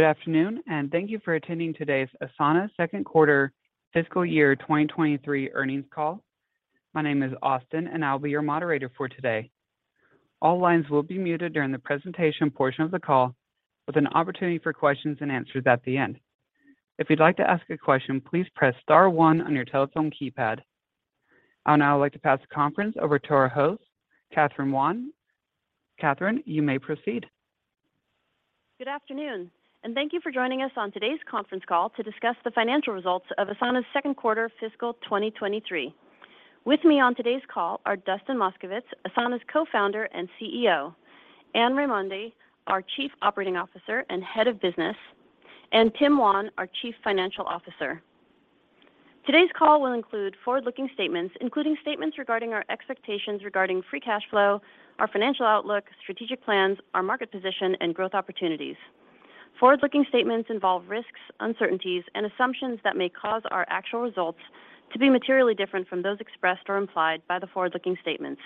Good afternoon, and thank you for attending today's Asana second quarter fiscal year 2023 Earnings Call. My name is Austin, and I'll be your moderator for today. All lines will be muted during the presentation portion of the call, with an opportunity for questions and answers at the end. If you'd like to ask a question, please press star one on your telephone keypad. I'll now like to pass the conference over to our host, Catherine Buan. Catherine, you may proceed. Good afternoon, and thank you for joining us on today's conference call to discuss the financial results of Asana's second quarter fiscal 2023. With me on today's call are Dustin Moskovitz, Asana's Co-Founder and CEO, Anne Raimondi, our Chief Operating Officer and Head of Business, and Tim Wan, our Chief Financial Officer. Today's call will include forward-looking statements, including statements regarding our expectations regarding free cash flow, our financial outlook, strategic plans, our market position, and growth opportunities. Forward-looking statements involve risks, uncertainties, and assumptions that may cause our actual results to be materially different from those expressed or implied by the forward-looking statements.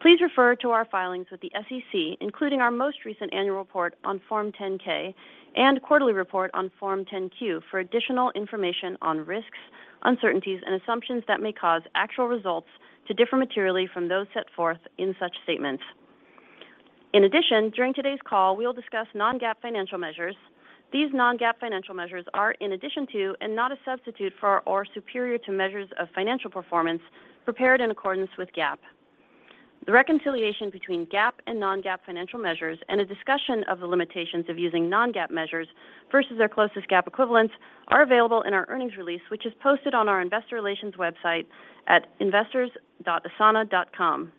Please refer to our filings with the SEC, including our most recent annual report on Form 10-K and quarterly report on Form 10-Q for additional information on risks, uncertainties, and assumptions that may cause actual results to differ materially from those set forth in such statements. In addition, during today's call, we will discuss non-GAAP financial measures. These non-GAAP financial measures are in addition to and not a substitute for or superior to measures of financial performance prepared in accordance with GAAP. The reconciliation between GAAP and non-GAAP financial measures and a discussion of the limitations of using non-GAAP measures versus their closest GAAP equivalents are available in our earnings release, which is posted on our investor relations website at investors.asana.com.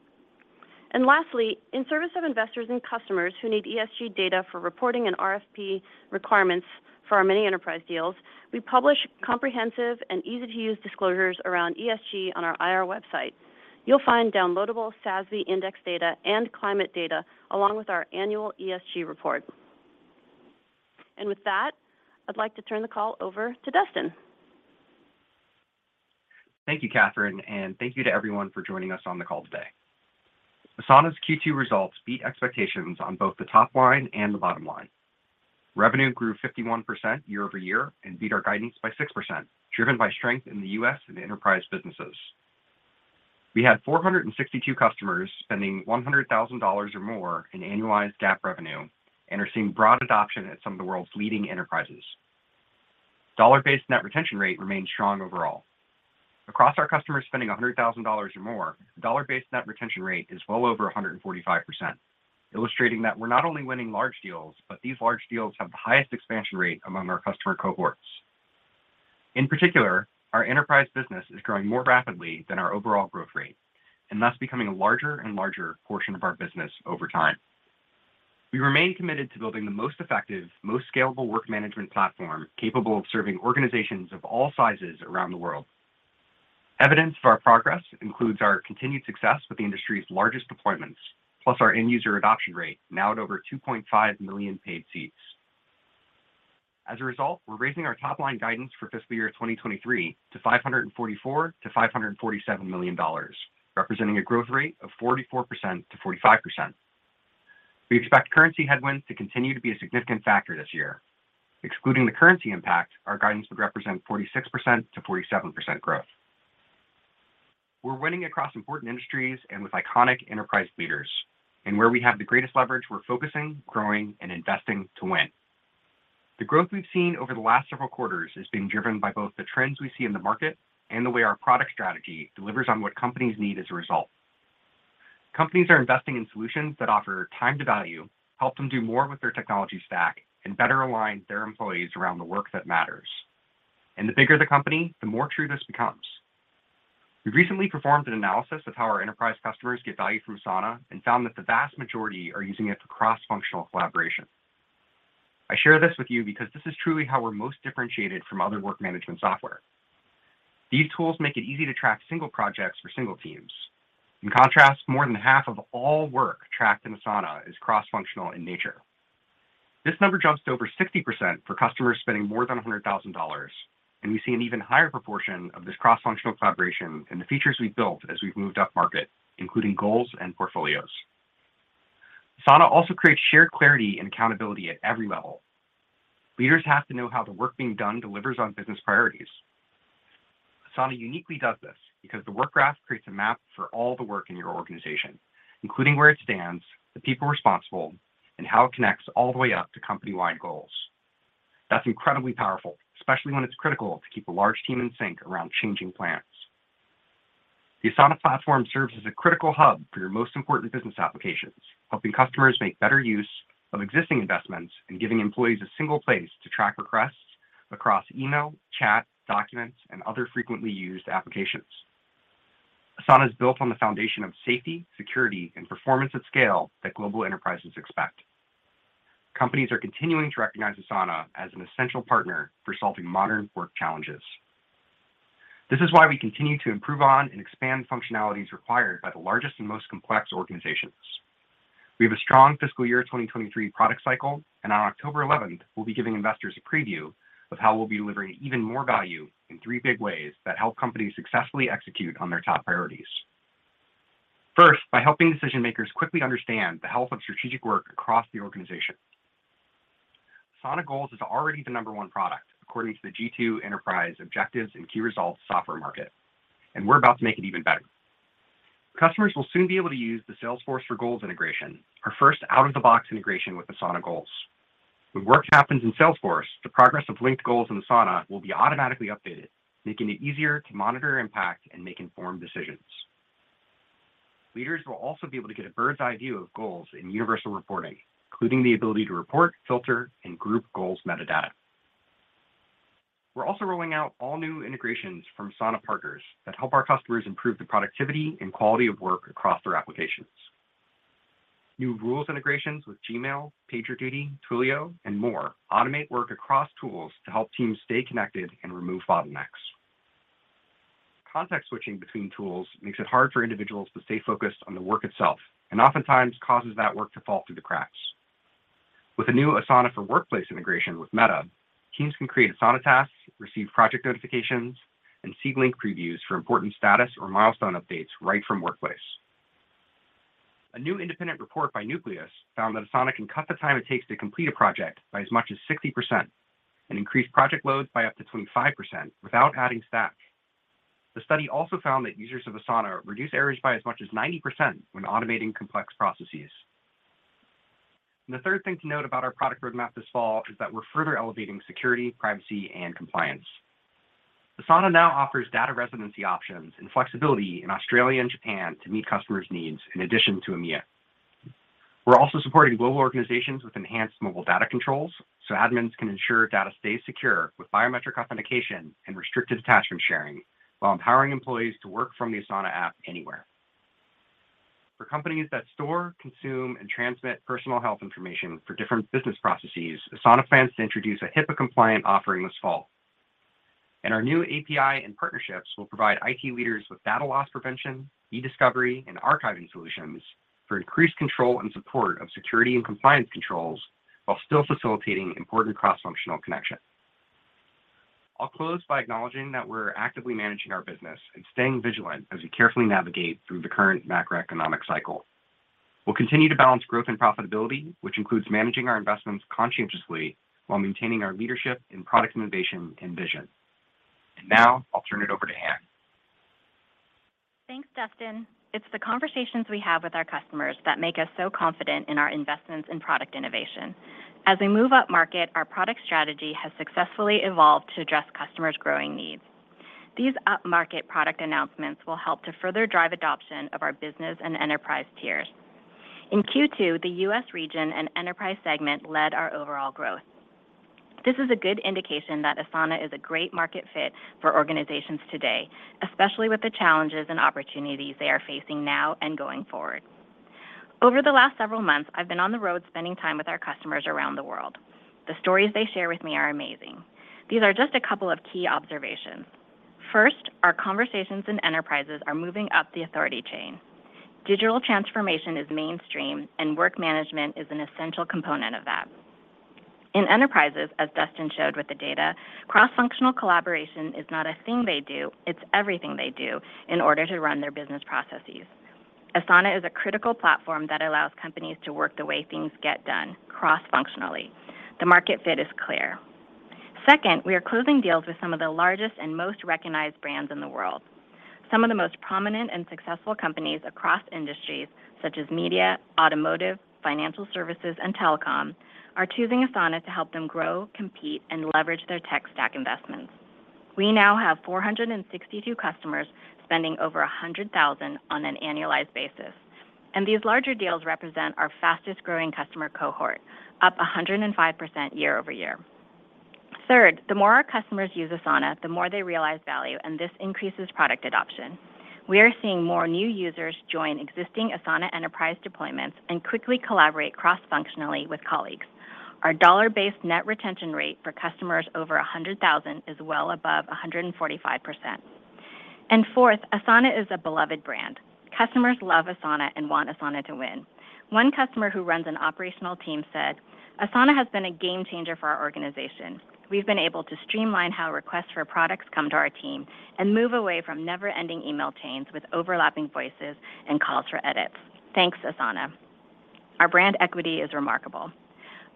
Lastly, in service of investors and customers who need ESG data for reporting and RFP requirements for our many enterprise deals, we publish comprehensive and easy-to-use disclosures around ESG on our IR website. You'll find downloadable SASB index data and climate data along with our annual ESG report. With that, I'd like to turn the call over to Dustin. Thank you, Catherine, and thank you to everyone for joining us on the call today. Asana's Q2 results beat expectations on both the top line and the bottom line. Revenue grew 51% year-over-year and beat our guidance by 6%, driven by strength in the U.S. and enterprise businesses. We had 462 customers spending $100,000 or more in annualized GAAP revenue and are seeing broad adoption at some of the world's leading enterprises. Dollar-based net retention rate remains strong overall. Across our customers spending $100,000 or more, dollar-based net retention rate is well over 145%, illustrating that we're not only winning large deals, but these large deals have the highest expansion rate among our customer cohorts. In particular, our enterprise business is growing more rapidly than our overall growth rate and thus becoming a larger and larger portion of our business over time. We remain committed to building the most effective, most scalable work management platform capable of serving organizations of all sizes around the world. Evidence of our progress includes our continued success with the industry's largest deployments, plus our end-user adoption rate now at over 2.5 million paid seats. As a result, we're raising our top-line guidance for fiscal year 2023 to $544 million-$547 million, representing a growth rate of 44%-45%. We expect currency headwinds to continue to be a significant factor this year. Excluding the currency impact, our guidance would represent 46%-47% growth. We're winning across important industries and with iconic enterprise leaders, and where we have the greatest leverage, we're focusing, growing, and investing to win. The growth we've seen over the last several quarters is being driven by both the trends we see in the market and the way our product strategy delivers on what companies need as a result. Companies are investing in solutions that offer time to value, help them do more with their technology stack, and better align their employees around the work that matters. The bigger the company, the more true this becomes. We recently performed an analysis of how our enterprise customers get value from Asana and found that the vast majority are using it for cross-functional collaboration. I share this with you because this is truly how we're most differentiated from other work management software. These tools make it easy to track single projects for single teams. In contrast, more than half of all work tracked in Asana is cross-functional in nature. This number jumps to over 60% for customers spending more than $100,000, and we see an even higher proportion of this cross-functional collaboration in the features we've built as we've moved upmarket, including goals and portfolios. Asana also creates shared clarity and accountability at every level. Leaders have to know how the work being done delivers on business priorities. Asana uniquely does this because the Work Graph creates a map for all the work in your organization, including where it stands, the people responsible, and how it connects all the way up to company-wide goals. That's incredibly powerful, especially when it's critical to keep a large team in sync around changing plans. The Asana platform serves as a critical hub for your most important business applications, helping customers make better use of existing investments and giving employees a single place to track requests across email, chat, documents, and other frequently used applications. Asana is built on the foundation of safety, security, and performance at scale that global enterprises expect. Companies are continuing to recognize Asana as an essential partner for solving modern work challenges. This is why we continue to improve on and expand functionalities required by the largest and most complex organizations. We have a strong fiscal year 2023 product cycle, and on October eleventh, we'll be giving investors a preview of how we'll be delivering even more value in three big ways that help companies successfully execute on their top priorities. First, by helping decision makers quickly understand the health of strategic work across the organization. Asana Goals is already the number one product according to the G2 Enterprise Objectives and Key Results software market, and we're about to make it even better. Customers will soon be able to use the Salesforce for Goals integration, our first out-of-the-box integration with Asana Goals. When work happens in Salesforce, the progress of linked goals in Asana will be automatically updated, making it easier to monitor impact and make informed decisions. Leaders will also be able to get a bird's-eye view of goals in universal reporting, including the ability to report, filter, and group goals metadata. We're also rolling out all new integrations from Asana partners that help our customers improve the productivity and quality of work across their applications. New rules integrations with Gmail, PagerDuty, Twilio, and more automate work across tools to help teams stay connected and remove bottlenecks. Context switching between tools makes it hard for individuals to stay focused on the work itself, and oftentimes causes that work to fall through the cracks. With the new Asana for Workplace integration with Meta, teams can create Asana tasks, receive project notifications, and see link previews for important status or milestone updates right from Workplace. A new independent report by Nucleus found that Asana can cut the time it takes to complete a project by as much as 60% and increase project loads by up to 25% without adding staff. The study also found that users of Asana reduce errors by as much as 90% when automating complex processes. The third thing to note about our product roadmap this fall is that we're further elevating security, privacy, and compliance. Asana now offers data residency options and flexibility in Australia and Japan to meet customers' needs in addition to EMEA. We're also supporting global organizations with enhanced mobile data controls, so admins can ensure data stays secure with biometric authentication and restricted attachment sharing while empowering employees to work from the Asana app anywhere. For companies that store, consume, and transmit personal health information for different business processes, Asana plans to introduce a HIPAA-compliant offering this fall. Our new API and partnerships will provide IT leaders with data loss prevention, e-discovery, and archiving solutions for increased control and support of security and compliance controls while still facilitating important cross-functional connection. I'll close by acknowledging that we're actively managing our business and staying vigilant as we carefully navigate through the current macroeconomic cycle. We'll continue to balance growth and profitability, which includes managing our investments conscientiously while maintaining our leadership in product innovation and vision. Now I'll turn it over to Anne. Thanks, Dustin. It's the conversations we have with our customers that make us so confident in our investments in product innovation. As we move up market, our product strategy has successfully evolved to address customers' growing needs. These up-market product announcements will help to further drive adoption of our business and enterprise tiers. In Q2, the U.S. region and enterprise segment led our overall growth. This is a good indication that Asana is a great market fit for organizations today, especially with the challenges and opportunities they are facing now and going forward. Over the last several months, I've been on the road spending time with our customers around the world. The stories they share with me are amazing. These are just a couple of key observations. First, our conversations in enterprises are moving up the authority chain. Digital transformation is mainstream, and work management is an essential component of that. In enterprises, as Dustin showed with the data, cross-functional collaboration is not a thing they do, it's everything they do in order to run their business processes. Asana is a critical platform that allows companies to work the way things get done, cross-functionally. The market fit is clear. Second, we are closing deals with some of the largest and most recognized brands in the world. Some of the most prominent and successful companies across industries such as media, automotive, financial services, and telecom are choosing Asana to help them grow, compete, and leverage their tech stack investments. We now have 462 customers spending over $100,000 on an annualized basis, and these larger deals represent our fastest-growing customer cohort, up 105% year-over-year. Third, the more our customers use Asana, the more they realize value, and this increases product adoption. We are seeing more new users join existing Asana Enterprise deployments and quickly collaborate cross-functionally with colleagues. Our dollar-based net retention rate for customers over 100,000 is well above 145%. Fourth, Asana is a beloved brand. Customers love Asana and want Asana to win. One customer who runs an operational team said, "Asana has been a game changer for our organization. We've been able to streamline how requests for products come to our team and move away from never-ending email chains with overlapping voices and calls for edits. Thanks, Asana." Our brand equity is remarkable.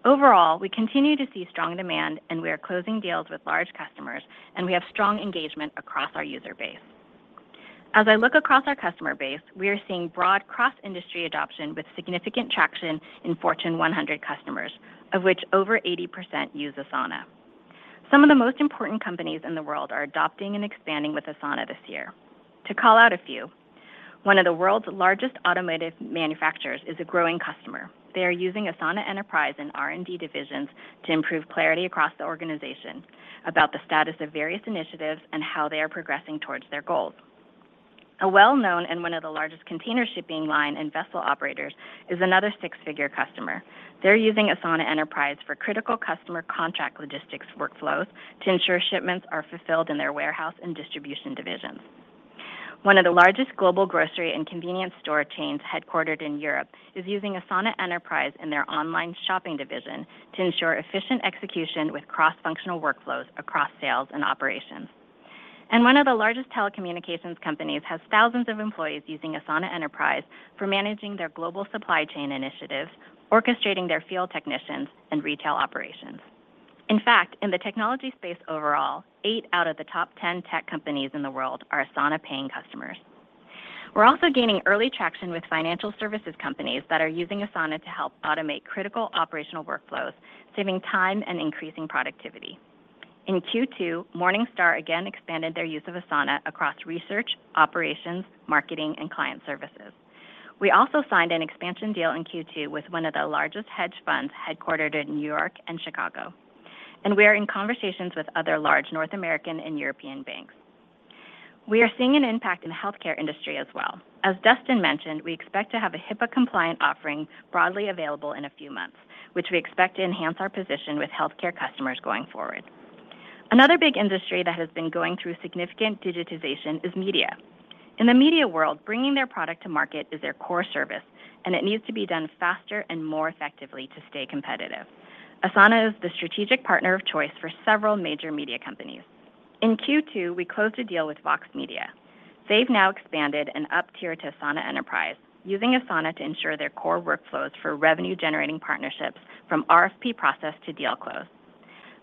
Overall, we continue to see strong demand, and we are closing deals with large customers, and we have strong engagement across our user base. As I look across our customer base, we are seeing broad cross-industry adoption with significant traction in Fortune 100 customers, of which over 80% use Asana. Some of the most important companies in the world are adopting and expanding with Asana this year. To call out a few, one of the world's largest automotive manufacturers is a growing customer. They are using Asana Enterprise in R&D divisions to improve clarity across the organization about the status of various initiatives and how they are progressing towards their goals. A well-known and one of the largest container shipping line and vessel operators is another six-figure customer. They're using Asana Enterprise for critical customer contract logistics workflows to ensure shipments are fulfilled in their warehouse and distribution divisions. One of the largest global grocery and convenience store chains headquartered in Europe is using Asana Enterprise in their online shopping division to ensure efficient execution with cross-functional workflows across sales and operations. One of the largest telecommunications companies has thousands of employees using Asana Enterprise for managing their global supply chain initiatives, orchestrating their field technicians, and retail operations. In fact, in the technology space overall, eight out of the top 10 tech companies in the world are Asana-paying customers. We're also gaining early traction with financial services companies that are using Asana to help automate critical operational workflows, saving time, and increasing productivity. In Q2, Morningstar again expanded their use of Asana across research, operations, marketing, and client services. We also signed an expansion deal in Q2 with one of the largest hedge funds headquartered in New York and Chicago. We are in conversations with other large North American and European banks. We are seeing an impact in the healthcare industry as well. As Dustin mentioned, we expect to have a HIPAA-compliant offering broadly available in a few months, which we expect to enhance our position with healthcare customers going forward. Another big industry that has been going through significant digitization is media. In the media world, bringing their product to market is their core service, and it needs to be done faster and more effectively to stay competitive. Asana is the strategic partner of choice for several major media companies. In Q2, we closed a deal with Vox Media. They've now expanded and upped tier to Asana Enterprise, using Asana to ensure their core workflows for revenue-generating partnerships from RFP process to deal close.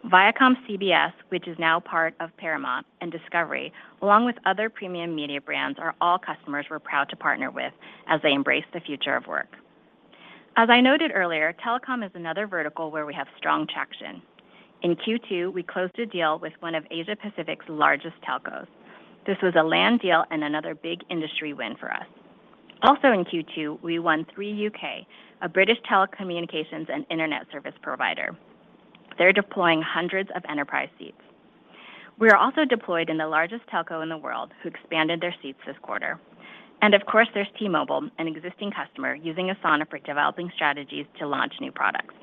ViacomCBS, which is now part of Paramount, and Discovery, along with other premium media brands, are all customers we're proud to partner with as they embrace the future of work. As I noted earlier, telecom is another vertical where we have strong traction. In Q2, we closed a deal with one of Asia-Pacific's largest telcos. This was a land deal and another big industry win for us. Also in Q2, we won Three UK, a British telecommunications and internet service provider. They're deploying hundreds of Enterprise seats. We are also deployed in the largest telco in the world, who expanded their seats this quarter. Of course, there's T-Mobile, an existing customer using Asana for developing strategies to launch new products.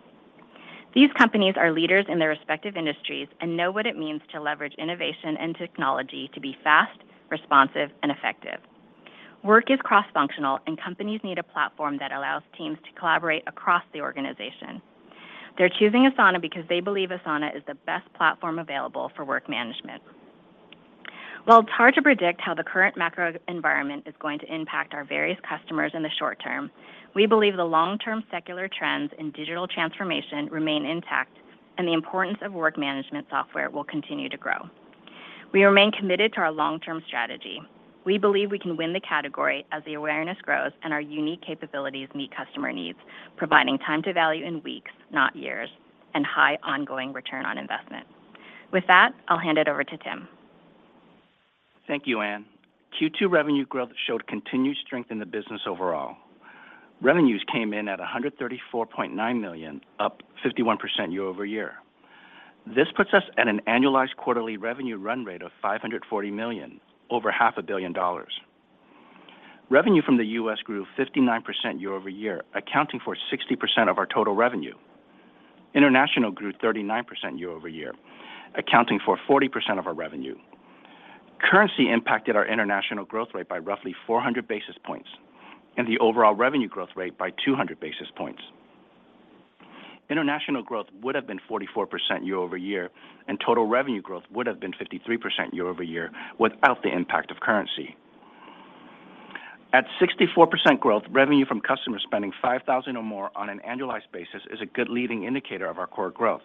These companies are leaders in their respective industries and know what it means to leverage innovation and technology to be fast, responsive, and effective. Work is cross-functional, and companies need a platform that allows teams to collaborate across the organization. They're choosing Asana because they believe Asana is the best platform available for work management. While it's hard to predict how the current macro environment is going to impact our various customers in the short term, we believe the long-term secular trends in digital transformation remain intact, and the importance of work management software will continue to grow. We remain committed to our long-term strategy. We believe we can win the category as the awareness grows and our unique capabilities meet customer needs, providing time to value in weeks, not years, and high ongoing return on investment. With that, I'll hand it over to Tim. Thank you, Anne. Q2 revenue growth showed continued strength in the business overall. Revenues came in at $134.9 million, up 51% year-over-year. This puts us at an annualized quarterly revenue run rate of $540 million, over half a billion dollars. Revenue from the U.S. grew 59% year-over-year, accounting for 60% of our total revenue. International grew 39% year-over-year, accounting for 40% of our revenue. Currency impacted our international growth rate by roughly 400 basis points and the overall revenue growth rate by 200 basis points. International growth would have been 44% year-over-year, and total revenue growth would have been 53% year-over-year without the impact of currency. At 64% growth, revenue from customers spending $5,000 or more on an annualized basis is a good leading indicator of our core growth.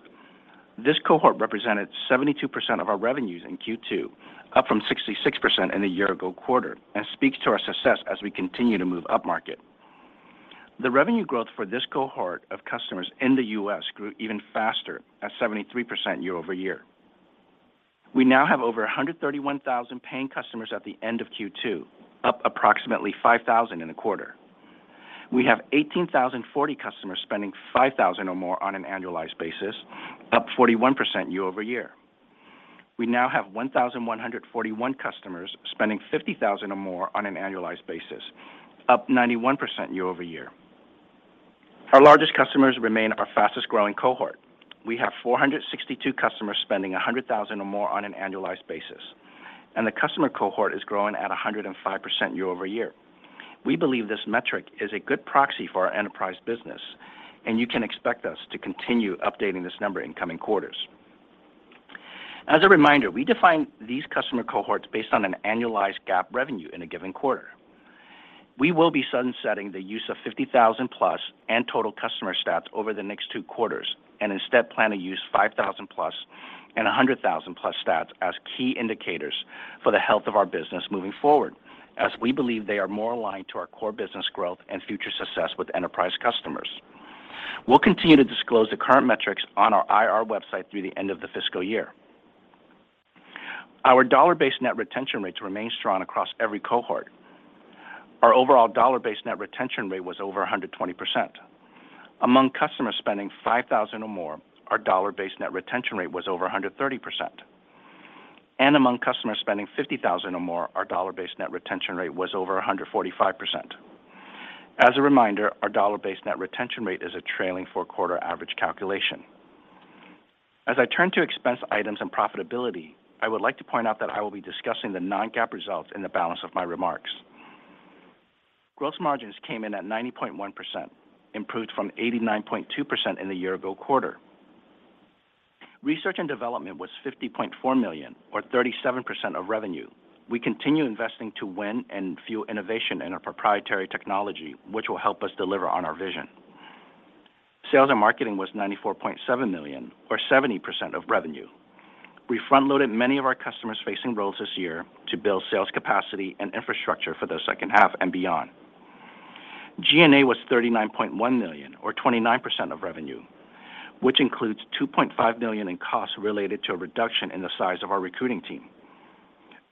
This cohort represented 72% of our revenues in Q2, up from 66% in the year-ago quarter, and speaks to our success as we continue to move upmarket. The revenue growth for this cohort of customers in the US grew even faster at 73% year-over-year. We now have over 131,000 paying customers at the end of Q2, up approximately 5,000 in a quarter. We have 18,040 customers spending $5,000 or more on an annualized basis, up 41% year-over-year. We now have 1,141 customers spending $50,000 or more on an annualized basis, up 91% year-over-year. Our largest customers remain our fastest-growing cohort. We have 462 customers spending $100,000 or more on an annualized basis, and the customer cohort is growing at 105% year-over-year. We believe this metric is a good proxy for our Enterprise business, and you can expect us to continue updating this number in coming quarters. As a reminder, we define these customer cohorts based on an annualized GAAP revenue in a given quarter. We will be sunsetting the use of $50,000-plus and total customer stats over the next two quarters and instead plan to use $5,000-plus and $100,000-plus stats as key indicators for the health of our business moving forward, as we believe they are more aligned to our core business growth and future success with Enterprise customers. We'll continue to disclose the current metrics on our IR website through the end of the fiscal year. Our dollar-based net retention rates remain strong across every cohort. Our overall dollar-based net retention rate was over 120%. Among customers spending $5,000 or more, our dollar-based net retention rate was over 130%. Among customers spending $50,000 or more, our dollar-based net retention rate was over 145%. As a reminder, our dollar-based net retention rate is a trailing four-quarter average calculation. As I turn to expense items and profitability, I would like to point out that I will be discussing the non-GAAP results in the balance of my remarks. Gross margins came in at 90.1%, improved from 89.2% in the year-ago quarter. Research and development was $50.4 million or 37% of revenue. We continue investing to win and fuel innovation in our proprietary technology, which will help us deliver on our vision. Sales and marketing was $94.7 million or 70% of revenue. We front-loaded many of our customers facing roles this year to build sales capacity and infrastructure for the second half and beyond. G&A was $39.1 million or 29% of revenue, which includes $2.5 million in costs related to a reduction in the size of our recruiting team.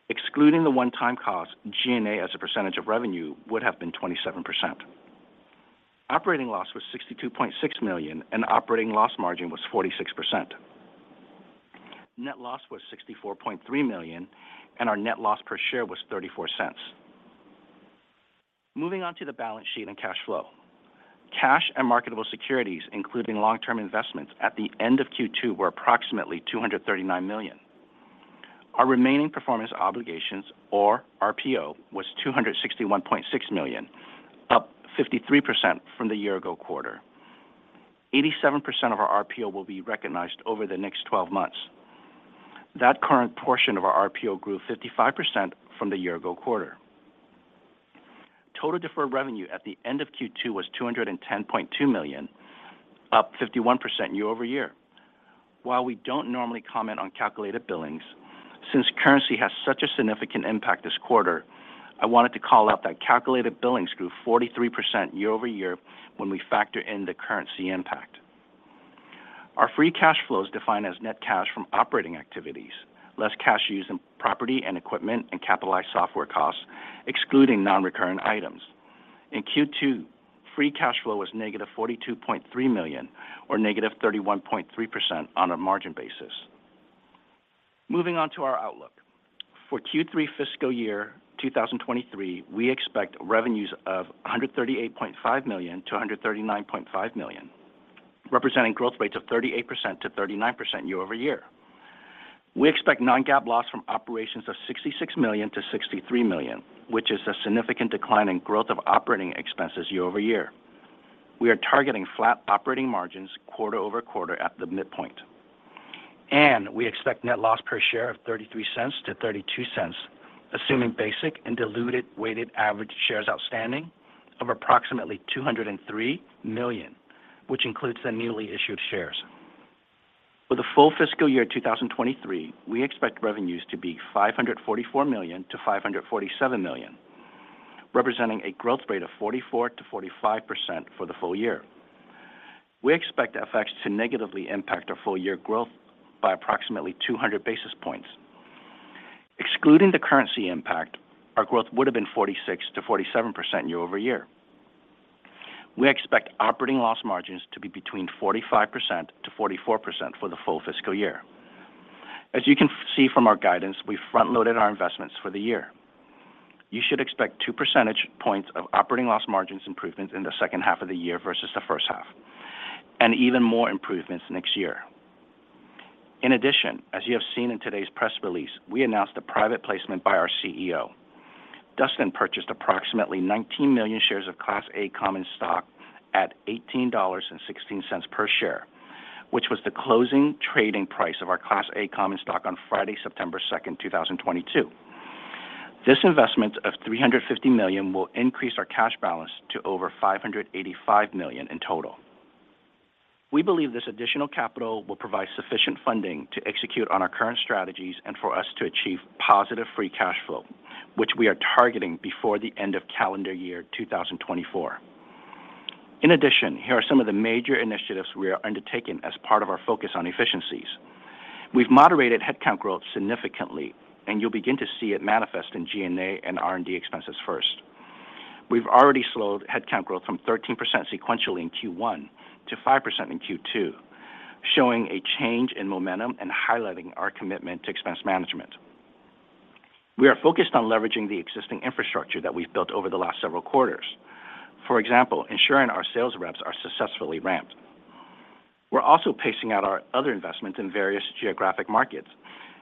Excluding the one-time cost, G&A as a percentage of revenue would have been 27%. Operating loss was $62.6 million, and operating loss margin was 46%. Net loss was $64.3 million, and our net loss per share was $0.34. Moving on to the balance sheet and cash flow. Cash and marketable securities, including long-term investments at the end of Q2, were approximately $239 million. Our remaining performance obligations, or RPO, was $261.6 million, up 53% from the year ago quarter. 87% of our RPO will be recognized over the next twelve months. That current portion of our RPO grew 55% from the year ago quarter. Total deferred revenue at the end of Q2 was $210.2 million, up 51% year over year. While we don't normally comment on calculated billings, since currency has such a significant impact this quarter, I wanted to call out that calculated billings grew 43% year-over-year when we factor in the currency impact. Our free cash flow is defined as net cash from operating activities, less cash used in property and equipment and capitalized software costs, excluding non-recurrent items. In Q2, free cash flow was negative $42.3 million or negative 31.3% on a margin basis. Moving on to our outlook. For Q3 fiscal year 2023, we expect revenues of $138.5 million-$139.5 million, representing growth rates of 38%-39% year-over-year. We expect non-GAAP loss from operations of $66 million-$63 million, which is a significant decline in growth of operating expenses year-over-year. We are targeting flat operating margins quarter-over-quarter at the midpoint. We expect net loss per share of $0.33-$0.32, assuming basic and diluted weighted average shares outstanding of approximately 203 million, which includes the newly issued shares. For the full fiscal year 2023, we expect revenues to be $544 million-$547 million, representing a growth rate of 44%-45% for the full year. We expect FX to negatively impact our full-year growth by approximately 200 basis points. Excluding the currency impact, our growth would have been 46%-47% year-over-year. We expect operating loss margins to be between 45%-44% for the full fiscal year. As you can see from our guidance, we front-loaded our investments for the year. You should expect two percentage points of operating loss margins improvement in the second half of the year versus the first half, and even more improvements next year. In addition, as you have seen in today's press release, we announced a private placement by our CEO. Dustin purchased approximately 19 million shares of Class A common stock at $18.16 per share, which was the closing trading price of our Class A common stock on Friday, September 2, 2022. This investment of $350 million will increase our cash balance to over $585 million in total. We believe this additional capital will provide sufficient funding to execute on our current strategies and for us to achieve positive free cash flow, which we are targeting before the end of calendar year 2024. In addition, here are some of the major initiatives we are undertaking as part of our focus on efficiencies. We've moderated headcount growth significantly, and you'll begin to see it manifest in G&A and R&D expenses first. We've already slowed headcount growth from 13% sequentially in Q1 to 5% in Q2, showing a change in momentum and highlighting our commitment to expense management. We are focused on leveraging the existing infrastructure that we've built over the last several quarters. For example, ensuring our sales reps are successfully ramped. We're also pacing out our other investments in various geographic markets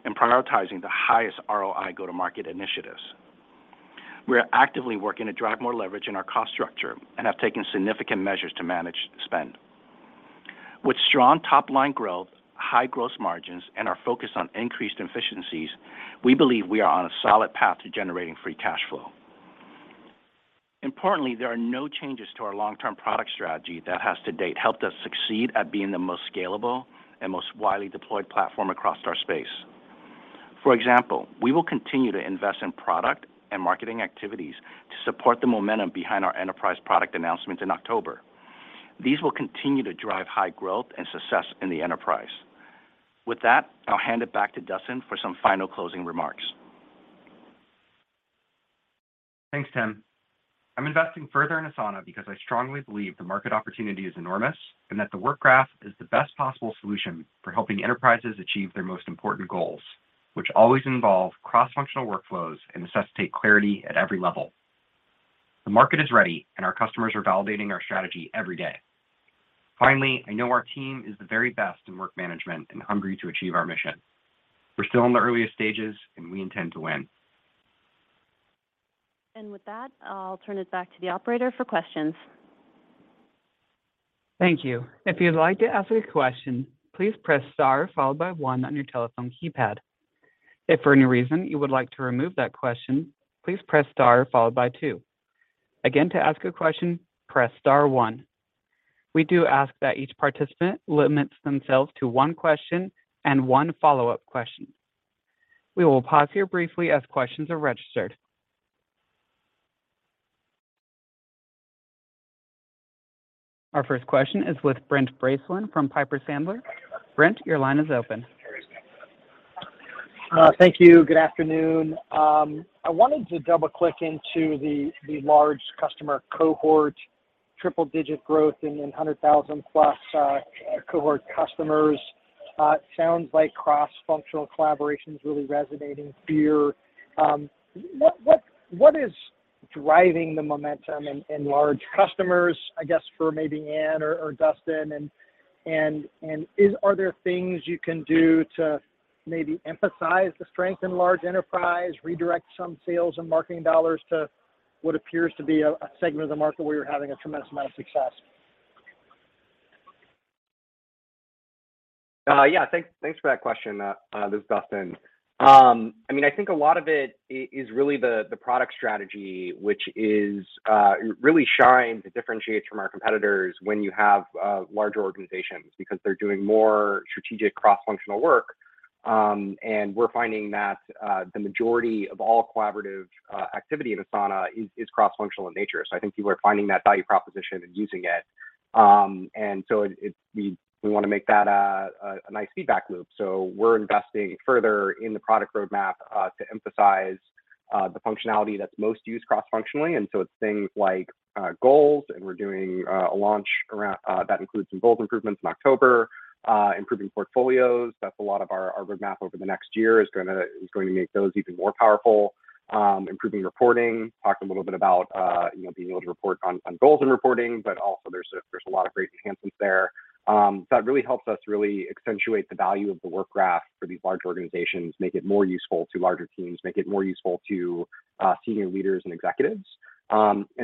and prioritizing the highest ROI go-to-market initiatives. We are actively working to drive more leverage in our cost structure and have taken significant measures to manage spend. With strong top-line growth, high gross margins, and our focus on increased efficiencies, we believe we are on a solid path to generating free cash flow. Importantly, there are no changes to our long-term product strategy that has to date helped us succeed at being the most scalable and most widely deployed platform across our space. For example, we will continue to invest in product and marketing activities to support the momentum behind our enterprise product announcement in October. These will continue to drive high growth and success in the enterprise. With that, I'll hand it back to Dustin for some final closing remarks. Thanks, Tim. I'm investing further in Asana because I strongly believe the market opportunity is enormous and that the Work Graph is the best possible solution for helping enterprises achieve their most important goals, which always involve cross-functional workflows and necessitate clarity at every level. The market is ready, and our customers are validating our strategy every day. Finally, I know our team is the very best in work management and hungry to achieve our mission. We're still in the earliest stages, and we intend to win. With that, I'll turn it back to the operator for questions. Thank you. If you'd like to ask a question, please press Star followed by one on your telephone keypad. If for any reason you would like to remove that question, please press Star followed by two. Again, to ask a question, press Star one. We do ask that each participant limits themselves to one question and one follow-up question. We will pause here briefly as questions are registered. Our first question is with Brent Bracelin from Piper Sandler. Brent, your line is open. Thank you. Good afternoon. I wanted to double-click into the large customer cohort, triple-digit growth in 100,000-plus cohort customers. It sounds like cross-functional collaboration is really resonating here. What is driving the momentum in large customers, I guess, for maybe Anne or Dustin? Are there things you can do to maybe emphasize the strength in large enterprise, redirect some sales and marketing dollars to what appears to be a segment of the market where you're having a tremendous amount of success? Yeah. Thanks for that question. This is Dustin. I mean, I think a lot of it is really the product strategy, which really shines and differentiates from our competitors when you have larger organizations because they're doing more strategic cross-functional work. We're finding that the majority of all collaborative activity in Asana is cross-functional in nature. I think people are finding that value proposition and using it. We wanna make that a nice feedback loop. We're investing further in the product roadmap to emphasize the functionality that's most used cross-functionally. It's things like goals, and we're doing a launch that includes some goals improvements in October, improving portfolios. That's a lot of our roadmap over the next year is gonna make those even more powerful. Improving reporting. Talked a little bit about, you know, being able to report on goals and reporting, but also there's a lot of great enhancements there that really helps us really accentuate the value of the Work Graph for these large organizations, make it more useful to larger teams, make it more useful to senior leaders and executives.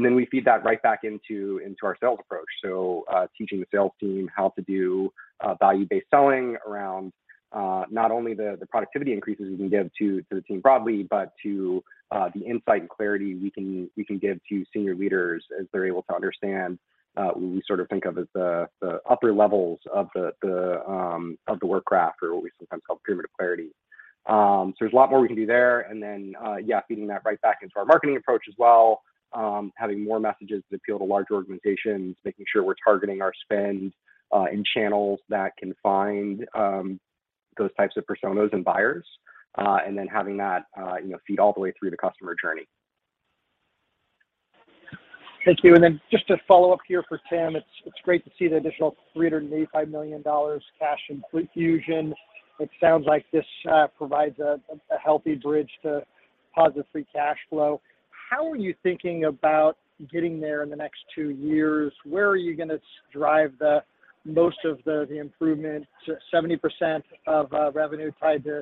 We feed that right back into our sales approach. Teaching the sales team how to do value-based selling around not only the productivity increases we can give to the team broadly, but to the insight and clarity we can give to senior leaders as they're able to understand what we sort of think of as the upper levels of the Work Graph or what we sometimes call pyramid of clarity. There's a lot more we can do there. Feeding that right back into our marketing approach as well, having more messages that appeal to larger organizations, making sure we're targeting our spend in channels that can find those types of personas and buyers, and then having that you know feed all the way through the customer journey. Thank you. Just to follow up here for Tim, it's great to see the additional $385 million cash infusion. It sounds like this provides a healthy bridge to positive free cash flow. How are you thinking about getting there in the next two years? Where are you gonna drive the most of the improvement? 70% of revenue tied to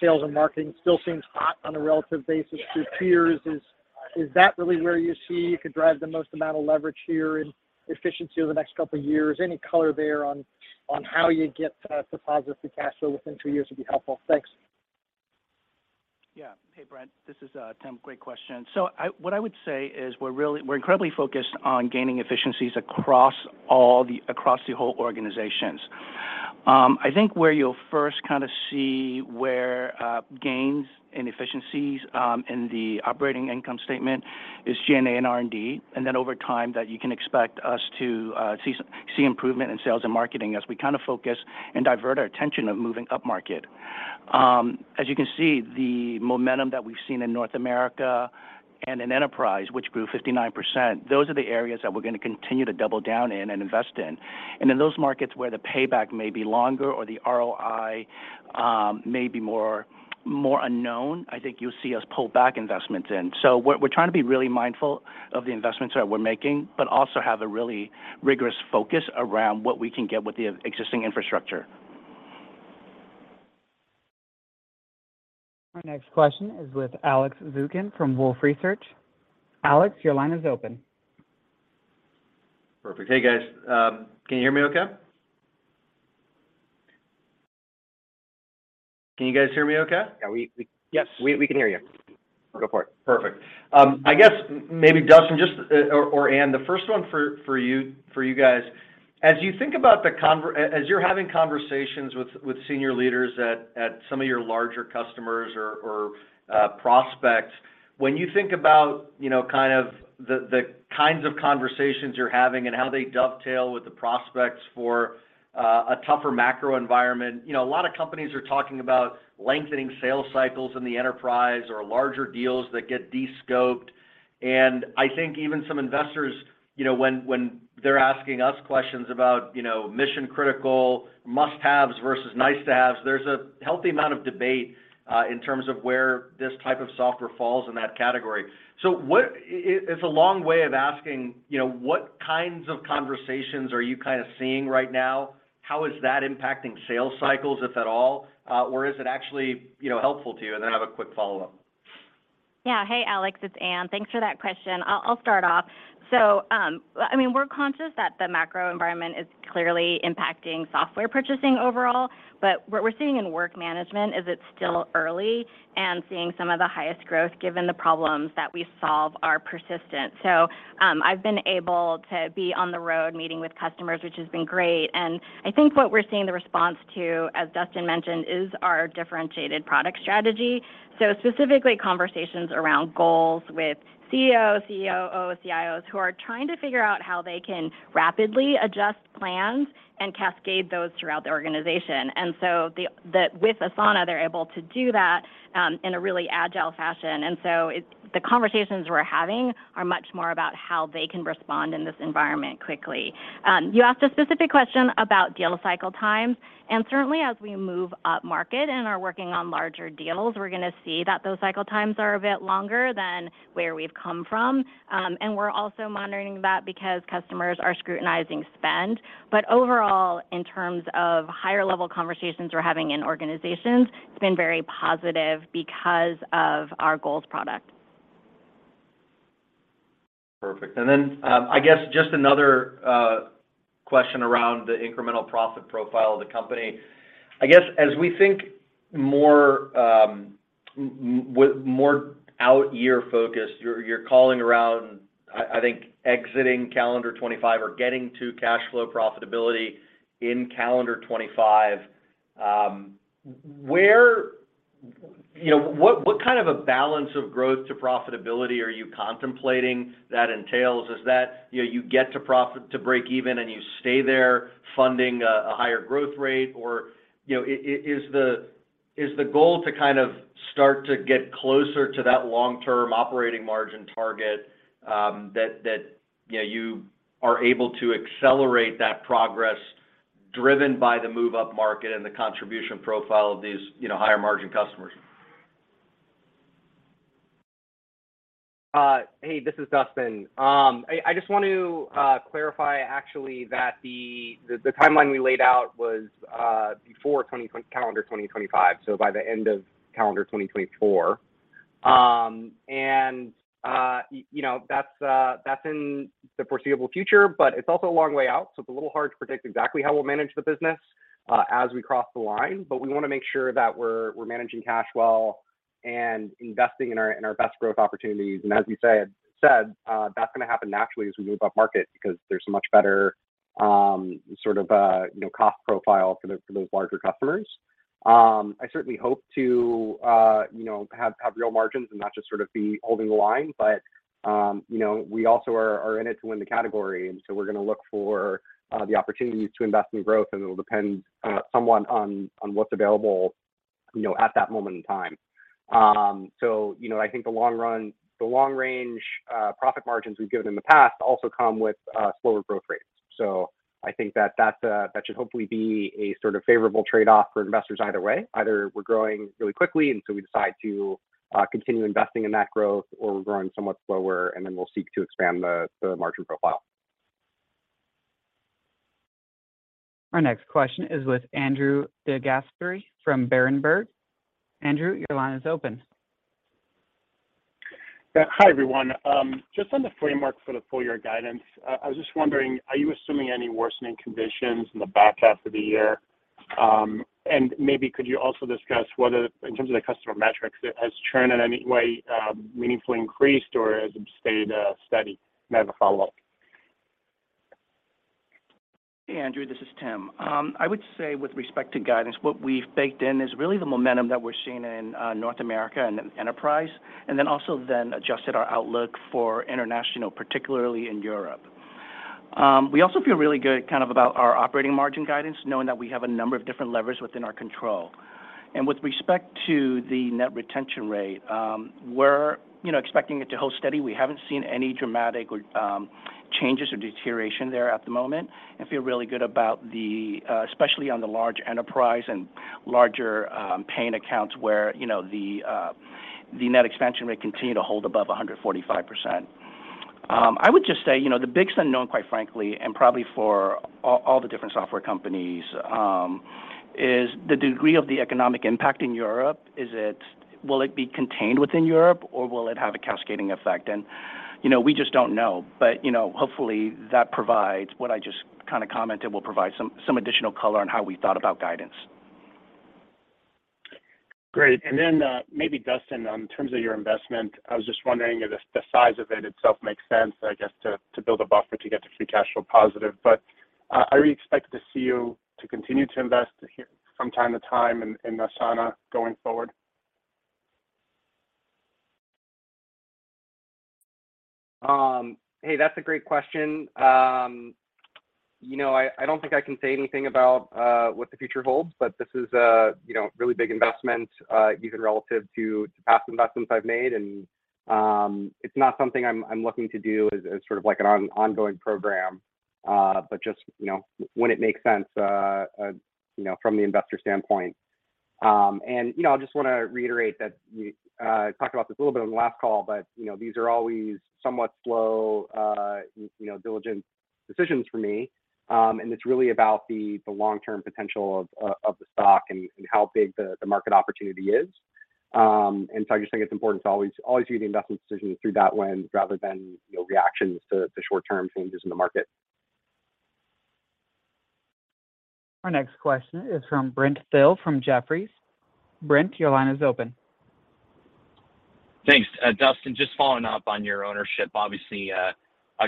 sales and marketing still seems hot on a relative basis to peers. Is that really where you see you could drive the most amount of leverage here and efficiency over the next couple of years? Any color there on how you get to positive free cash flow within two years would be helpful. Thanks. Hey, Brent, this is Tim. Great question. What I would say is we're incredibly focused on gaining efficiencies across the whole organizations. I think where you'll first kind of see gains and efficiencies in the operating income statement is G&A and R&D. Then over time that you can expect us to see improvement in sales and marketing as we kind of focus and divert our attention of moving upmarket. As you can see, the momentum that we've seen in North America and in enterprise, which grew 59%, those are the areas that we're gonna continue to double down in and invest in. In those markets where the payback may be longer or the ROI may be more unknown, I think you'll see us pull back investments in. We're trying to be really mindful of the investments that we're making, but also have a really rigorous focus around what we can get with the existing infrastructure. Our next question is with Alex Zukin from Wolfe Research. Alex, your line is open. Perfect. Hey, guys. Can you hear me okay? Can you guys hear me okay? Yeah, we. Yes. We can hear you. Go for it. Perfect. I guess maybe Dustin, just, or Anne, the first one for you guys, as you think about as you're having conversations with senior leaders at some of your larger customers or prospects, when you think about, you know, kind of the kinds of conversations you're having and how they dovetail with the prospects for a tougher macro environment, you know, a lot of companies are talking about lengthening sales cycles in the enterprise or larger deals that get descope. I think even some investors, you know, when they're asking us questions about, you know, mission-critical must-haves versus nice-to-haves, there's a healthy amount of debate. In terms of where this type of software falls in that category. It's a long way of asking, you know, what kinds of conversations are you kind of seeing right now? How is that impacting sales cycles, if at all? Is it actually, you know, helpful to you? I have a quick follow-up. Yeah. Hey Alex, it's Anne. Thanks for that question. I'll start off. I mean, we're conscious that the macro environment is clearly impacting software purchasing overall, but what we're seeing in work management is it's still early, and seeing some of the highest growth, given the problems that we solve, are persistent. I've been able to be on the road meeting with customers, which has been great, and I think what we're seeing the response to, as Dustin mentioned, is our differentiated product strategy. Specifically, conversations around goals with CEOs, COOs, CIOs, who are trying to figure out how they can rapidly adjust plans and cascade those throughout the organization. With Asana, they're able to do that in a really agile fashion. The conversations we're having are much more about how they can respond in this environment quickly. You asked a specific question about deal cycle times, and certainly as we move up market and are working on larger deals, we're gonna see that those cycle times are a bit longer than where we've come from. We're also monitoring that because customers are scrutinizing spend. Overall, in terms of higher level conversations we're having in organizations, it's been very positive because of our Goals product. Perfect. I guess just another question around the incremental profit profile of the company. I guess as we think more with more out year focus, you're calling around, I think, exiting calendar 2025 or getting to cash flow profitability in calendar 2025. Where, you know, what kind of a balance of growth to profitability are you contemplating that entails? Is that, you know, you get to break even, and you stay there funding a higher growth rate? Or, you know, is the goal to kind of start to get closer to that long-term operating margin target, that you know, you are able to accelerate that progress driven by the move up market and the contribution profile of these, you know, higher margin customers? Hey, this is Dustin. I just want to clarify actually that the timeline we laid out was before calendar 2025, so by the end of calendar 2024. You know, that's in the foreseeable future, but it's also a long way out, so it's a little hard to predict exactly how we'll manage the business as we cross the line. We wanna make sure that we're managing cash well and investing in our best growth opportunities. As we said, that's gonna happen naturally as we move up market because there's a much better sort of you know cost profile for those larger customers. I certainly hope to you know have real margins and not just sort of be holding the line. You know, we also are in it to win the category, and so we're gonna look for the opportunities to invest in growth, and it'll depend somewhat on what's available, you know, at that moment in time. You know, I think the long-range profit margins we've given in the past also come with slower growth rates. I think that should hopefully be a sort of favorable trade-off for investors either way. Either we're growing really quickly, and so we decide to continue investing in that growth, or we're growing somewhat slower, and then we'll seek to expand the margin profile. Our next question is with Andrew DeGasperi from Berenberg. Andrew, your line is open. Yeah. Hi, everyone. Just on the framework for the full year guidance, I was just wondering, are you assuming any worsening conditions in the back half of the year? Maybe could you also discuss whether, in terms of the customer metrics, has churn in any way, meaningfully increased, or has it stayed, steady? I have a follow-up. Andrew, this is Tim. I would say with respect to guidance, what we've baked in is really the momentum that we're seeing in North America and Enterprise, and then also adjusted our outlook for international, particularly in Europe. We also feel really good kind of about our operating margin guidance, knowing that we have a number of different levers within our control. With respect to the net retention rate, we're, you know, expecting it to hold steady. We haven't seen any dramatic or changes or deterioration there at the moment, and feel really good about the especially on the large enterprise and larger paying accounts where, you know, the net expansion rate continue to hold above 145%. I would just say, you know, the big unknown, quite frankly, and probably for all the different software companies, is the degree of the economic impact in Europe. Is it? Will it be contained within Europe, or will it have a cascading effect? You know, we just don't know. You know, hopefully that provides, what I just kind of commented, will provide some additional color on how we thought about guidance. Great. Maybe Dustin, in terms of your investment, I was just wondering if the size of it itself makes sense, I guess, to build a buffer to get to free cash flow positive. Are we expected to see you continue to invest here from time to time in Asana going forward? Hey, that's a great question. You know, I don't think I can say anything about what the future holds, but this is a you know, really big investment, even relative to past investments I've made. It's not something I'm looking to do as sort of like an ongoing program. But just you know, when it makes sense, you know, from the investor standpoint. You know, I just wanna reiterate that we talked about this a little bit on the last call, but you know, these are always somewhat slow you know, diligent decisions for me. It's really about the long-term potential of the stock and how big the market opportunity is. I just think it's important to always view the investment decisions through that lens rather than, you know, reactions to short-term changes in the market. Our next question is from Brent Thill from Jefferies. Brent, your line is open. Thanks. Dustin, just following up on your ownership, obviously, a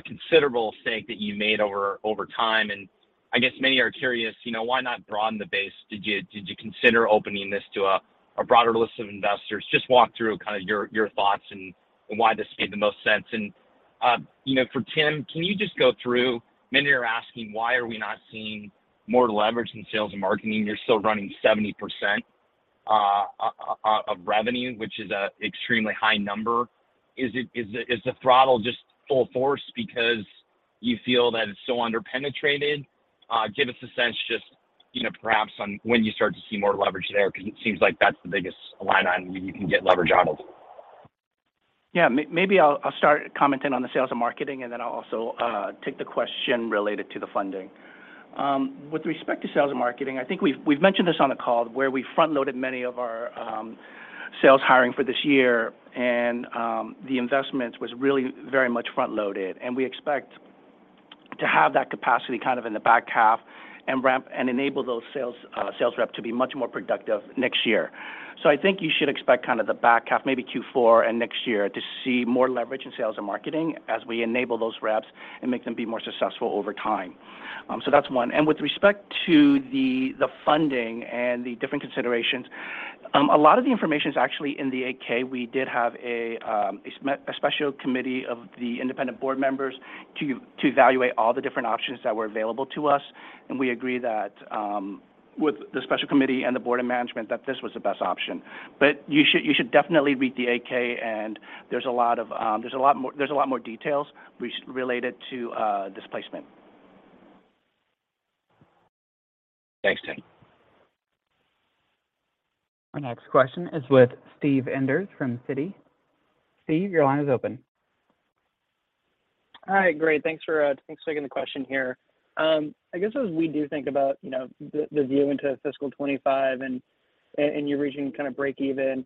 considerable stake that you made over time, and I guess many are curious, you know, why not broaden the base? Did you consider opening this to a broader list of investors? Just walk through kinda your thoughts and why this made the most sense. You know, for Tim, can you just go through, many are asking, why are we not seeing more leverage in sales and marketing? You're still running 70% of revenue, which is an extremely high number. Is the throttle just full force because you feel that it's so under-penetrated? Give us a sense just, you know, perhaps on when you start to see more leverage there 'cause it seems like that's the biggest line item where you can get leverage out of. Yeah. Maybe I'll start commenting on the sales and marketing, and then I'll also take the question related to the funding. With respect to sales and marketing, I think we've mentioned this on the call where we front-loaded many of our sales hiring for this year and the investments was really very much front-loaded. We expect to have that capacity kind of in the back half and enable those sales rep to be much more productive next year. I think you should expect kind of the back half, maybe Q4 and next year, to see more leverage in sales and marketing as we enable those reps and make them be more successful over time. That's one. With respect to the funding and the different considerations, a lot of the information is actually in the 8-K. We did have a special committee of the independent board members to evaluate all the different options that were available to us, and we agree that with the special committee and the board of management, that this was the best option. You should definitely read the 8-K, and there's a lot more details related to this placement. Thanks, Tim. Our next question is with Steve Enders from Citi. Steve, your line is open. All right. Great. Thanks for taking the question here. I guess as we do think about, you know, the view into fiscal 2025 and you're reaching kind of breakeven,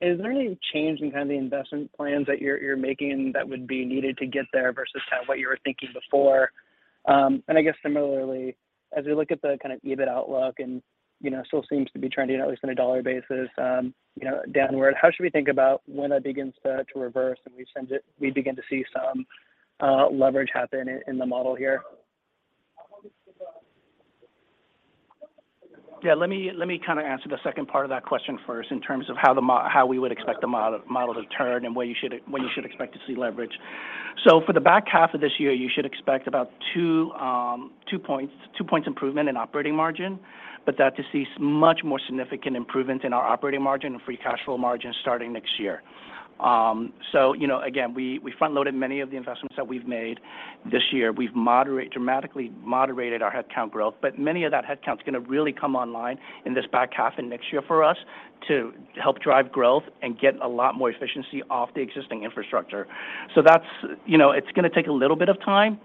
is there any change in kind of the investment plans that you're making that would be needed to get there versus kind of what you were thinking before? I guess similarly, as we look at the kind of EBIT outlook and, you know, still seems to be trending, at least on a dollar basis, you know, downward, how should we think about when that begins to reverse and we begin to see some leverage happen in the model here? Yeah, let me kinda answer the second part of that question first in terms of how we would expect the model to turn and where you should, when you should expect to see leverage. For the back half of this year, you should expect about 2 points improvement in operating margin, but to see much more significant improvements in our operating margin and free cash flow margin starting next year. You know, again, we front-loaded many of the investments that we've made this year. We've dramatically moderated our headcount growth, but many of that headcount's gonna really come online in this back half and next year for us to help drive growth and get a lot more efficiency off the existing infrastructure. That's... You know, it's gonna take a little bit of time,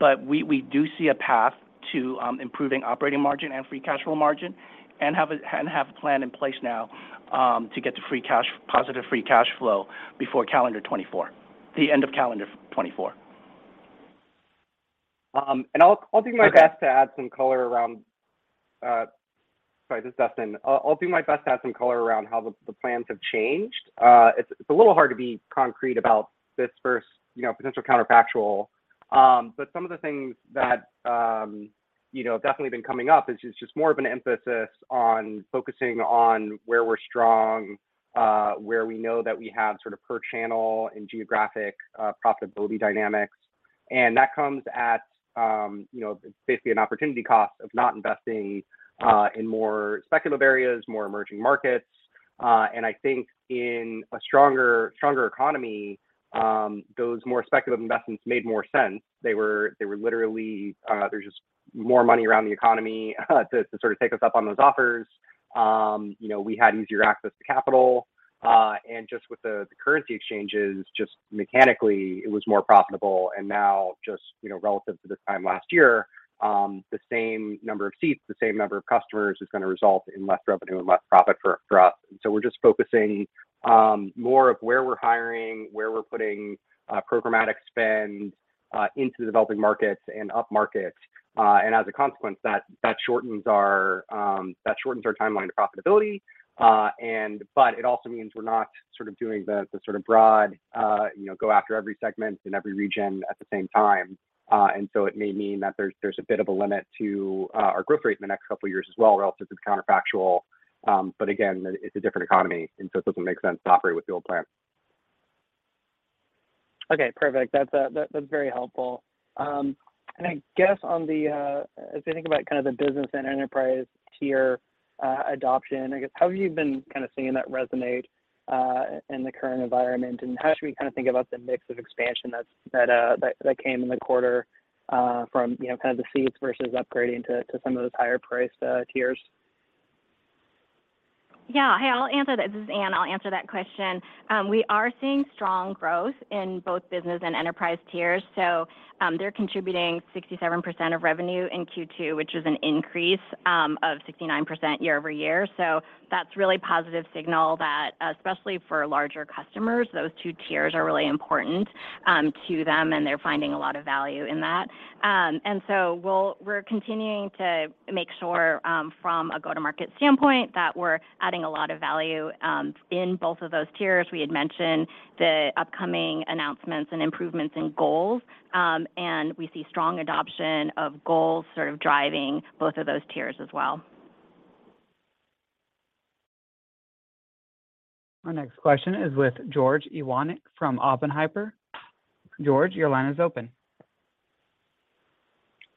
but we do see a path to improving operating margin and free cash flow margin and have a plan in place now to get to positive free cash flow before the end of calendar 2024. I'll do my best. Okay to add some color around. Sorry, this is Dustin. I'll do my best to add some color around how the plans have changed. It's a little hard to be concrete about this first, you know, potential counterfactual. Some of the things that, you know, have definitely been coming up is just more of an emphasis on focusing on where we're strong, where we know that we have sort of per channel and geographic profitability dynamics. That comes at, you know, basically an opportunity cost of not investing in more speculative areas, more emerging markets. I think in a stronger economy, those more speculative investments made more sense. They were literally there was just more money around the economy to sort of take us up on those offers. You know, we had easier access to capital, and just with the currency exchanges, just mechanically, it was more profitable. Now just, you know, relative to this time last year, the same number of seats, the same number of customers is gonna result in less revenue and less profit for us. We're just focusing more of where we're hiring, where we're putting programmatic spend into the developing markets and up markets. As a consequence, that shortens our timeline to profitability. It also means we're not sort of doing the sort of broad, you know, go after every segment in every region at the same time. It may mean that there's a bit of a limit to our growth rate in the next couple of years as well relative to counterfactual. But again, it's a different economy, and so it doesn't make sense to operate with the old plan. Okay. Perfect. That's very helpful. I guess, as we think about kind of the business and enterprise tier adoption, I guess, how have you been kind of seeing that resonate in the current environment? How should we kinda think about the mix of expansion that came in the quarter from, you know, kind of the seats versus upgrading to some of those higher priced tiers? Yeah. Hey, I'll answer that. This is Anne. I'll answer that question. We are seeing strong growth in both business and enterprise tiers, so they're contributing 67% of revenue in Q2, which is an increase of 69% year-over-year. That's really positive signal that, especially for larger customers, those two tiers are really important to them, and they're finding a lot of value in that. We're continuing to make sure, from a go-to-market standpoint, that we're adding a lot of value in both of those tiers. We had mentioned the upcoming announcements and improvements in Goals. We see strong adoption of Goals sort of driving both of those tiers as well. Our next question is with George Iwanyc from Oppenheimer. George, your line is open.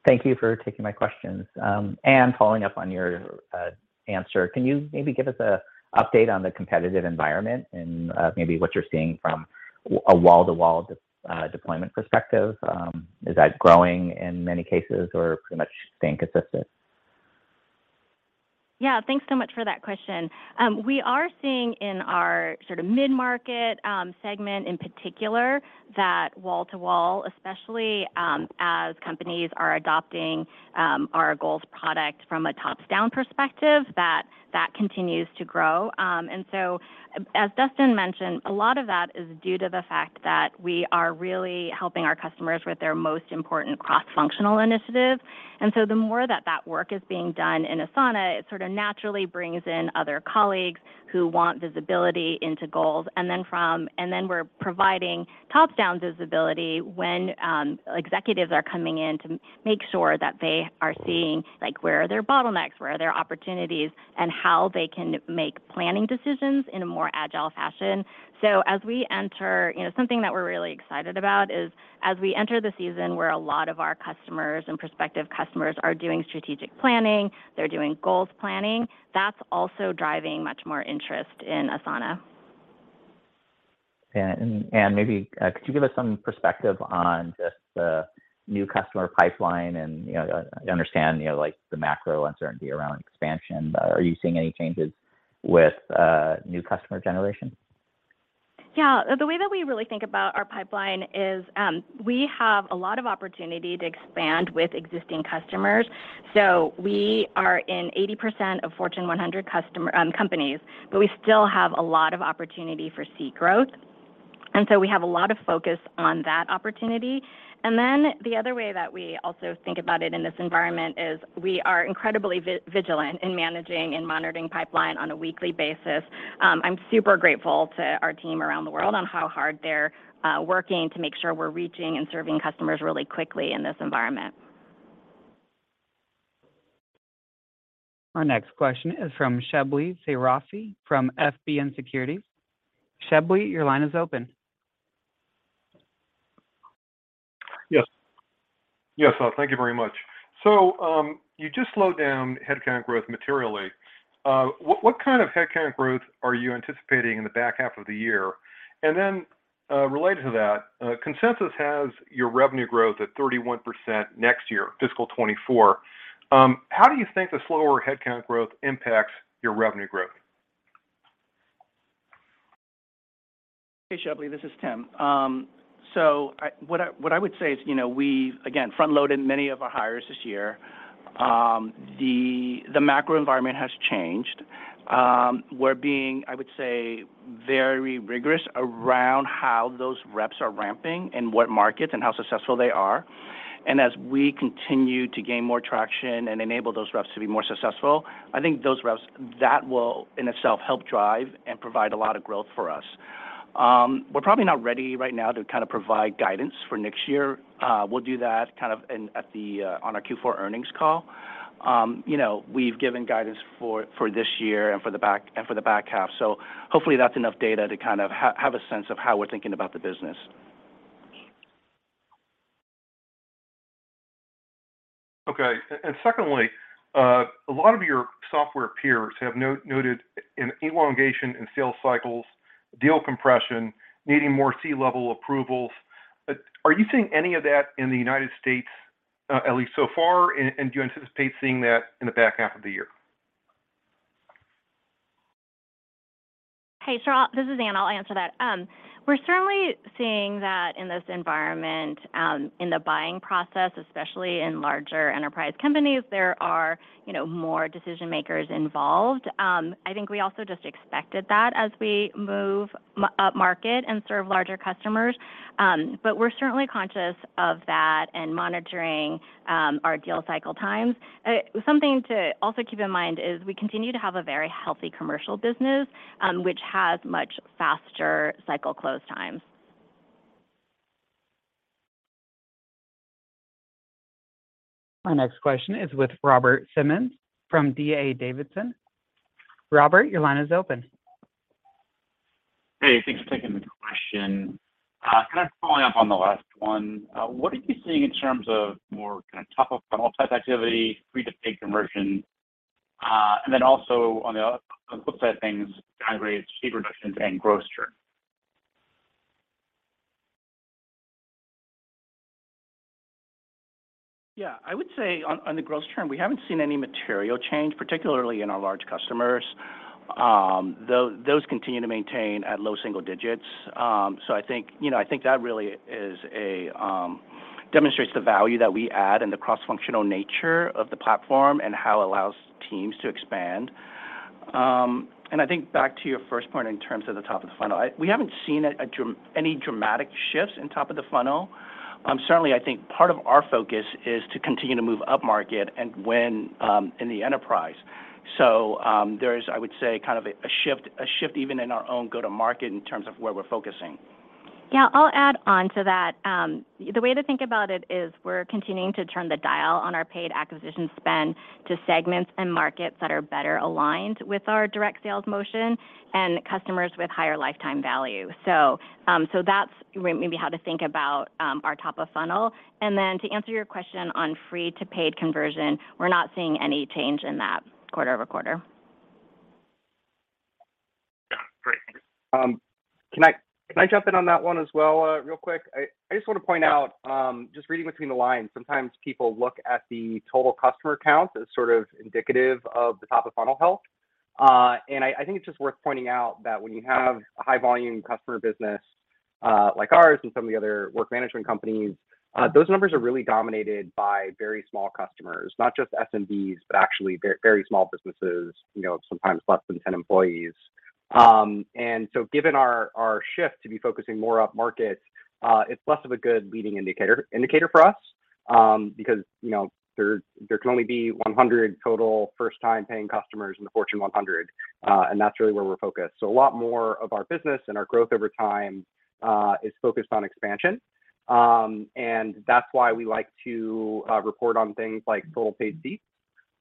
Thank you for taking my questions. Anne, following up on your answer, can you maybe give us a update on the competitive environment and, maybe what you're seeing from a wall-to-wall deployment perspective? Is that growing in many cases or pretty much staying consistent? Yeah. Thanks so much for that question. We are seeing in our sort of mid-market segment in particular that wall to wall, especially, as companies are adopting our Goals product from a top-down perspective, that continues to grow. As Dustin mentioned, a lot of that is due to the fact that we are really helping our customers with their most important cross-functional initiatives. The more that work is being done in Asana, it sort of naturally brings in other colleagues who want visibility into Goals and then we're providing top-down visibility when executives are coming in to make sure that they are seeing, like, where are their bottlenecks, where are their opportunities, and how they can make planning decisions in a more agile fashion. As we enter... You know, something that we're really excited about is as we enter the season where a lot of our customers and prospective customers are doing strategic planning, they're doing goals planning, that's also driving much more interest in Asana. Anne, maybe could you give us some perspective on just the new customer pipeline? You know, I understand, you know, like, the macro uncertainty around expansion, but are you seeing any changes with new customer generation? Yeah. The way that we really think about our pipeline is, we have a lot of opportunity to expand with existing customers. We are in 80% of Fortune 100 customer companies, but we still have a lot of opportunity for seat growth, and we have a lot of focus on that opportunity. The other way that we also think about it in this environment is we are incredibly vigilant in managing and monitoring pipeline on a weekly basis. I'm super grateful to our team around the world on how hard they're working to make sure we're reaching and serving customers really quickly in this environment. Our next question is from Shebly Seyrafi from FBN Securities. Shebly, your line is open. Yes. Yes, thank you very much. You just slowed down headcount growth materially. What kind of headcount growth are you anticipating in the back half of the year? Related to that, consensus has your revenue growth at 31% next year, fiscal 2024. How do you think the slower headcount growth impacts your revenue growth? Hey, Shebly, this is Tim. What I would say is, you know, we again front-loaded many of our hires this year. The macro environment has changed. We're being, I would say, very rigorous around how those reps are ramping in what markets and how successful they are. As we continue to gain more traction and enable those reps to be more successful, I think those reps that will in itself help drive and provide a lot of growth for us. We're probably not ready right now to kind of provide guidance for next year. We'll do that kind of on our Q4 earnings call. You know, we've given guidance for this year and for the back half, so hopefully that's enough data to kind of have a sense of how we're thinking about the business. Okay. Secondly, a lot of your software peers have noted an elongation in sales cycles, deal compression, needing more C-level approvals. Are you seeing any of that in the United States, at least so far, and do you anticipate seeing that in the back half of the year? Hey, Shebly, this is Anna. I'll answer that. We're certainly seeing that in this environment, in the buying process, especially in larger enterprise companies, there are, you know, more decision-makers involved. I think we also just expected that as we move upmarket and serve larger customers. We're certainly conscious of that and monitoring our deal cycle times. Something to also keep in mind is we continue to have a very healthy commercial business, which has much faster cycle close times. My next question is with Robert Simmons from D.A. Davidson. Robert, your line is open. Hey, thanks for taking the question. Kind of following up on the last one, what are you seeing in terms of more kind of top-of-funnel type activity, free-to-paid conversion, and then also on the flip side of things, downgrade, seat reductions, and gross churn? Yeah, I would say on the gross churn, we haven't seen any material change, particularly in our large customers. Those continue to maintain at low single digits. I think, you know, I think that really demonstrates the value that we add and the cross-functional nature of the platform and how it allows teams to expand. I think back to your first point in terms of the top of the funnel. We haven't seen any dramatic shifts in top of the funnel. Certainly I think part of our focus is to continue to move upmarket and win in the enterprise. There is, I would say, kind of a shift even in our own go-to-market in terms of where we're focusing. Yeah. I'll add on to that. The way to think about it is we're continuing to turn the dial on our paid acquisition spend to segments and markets that are better aligned with our direct sales motion and customers with higher lifetime value. That's maybe how to think about our top of funnel. To answer your question on free-to-paid conversion, we're not seeing any change in that quarter-over-quarter. Yeah. Great. Thanks. Can I jump in on that one as well, real quick? I just wanna point out, just reading between the lines, sometimes people look at the total customer count as sort of indicative of the top-of-funnel health. I think it's just worth pointing out that when you have a high volume customer business, like ours and some of the other work management companies, those numbers are really dominated by very small customers, not just SMBs, but actually very small businesses, you know, sometimes less than 10 employees. Given our shift to be focusing more upmarket, it's less of a good leading indicator for us, because, you know, there can only be 100 total first-time paying customers in the Fortune 100, and that's really where we're focused. A lot more of our business and our growth over time is focused on expansion. That's why we like to report on things like total paid seats.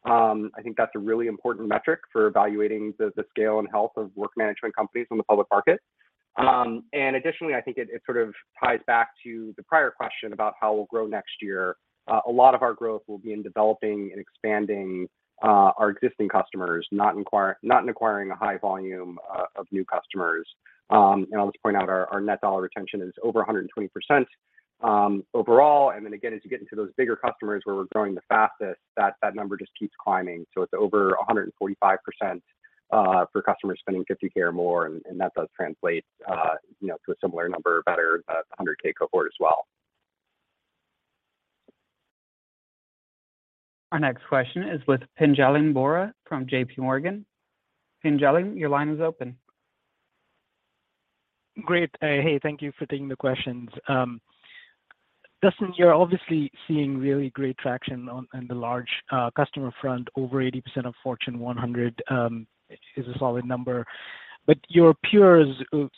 I think that's a really important metric for evaluating the scale and health of work management companies on the public market. Additionally, I think it sort of ties back to the prior question about how we'll grow next year. A lot of our growth will be in developing and expanding our existing customers, not in acquiring a high volume of new customers. I'll just point out our net dollar retention is over 100%, overall. Again, as you get into those bigger customers where we're growing the fastest, that number just keeps climbing. It's over 145% for customers spending $50K or more, and that does translate, you know, to a similar number, or better, $100K cohort as well. Our next question is with Pinjalim Bora from J.P. Morgan. Pinjalim, your line is open. Great. Hey, thank you for taking the questions. Dustin, you're obviously seeing really great traction on the large customer front. Over 80% of Fortune 100 is a solid number, but your peers,